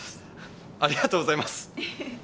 ありがとうございます。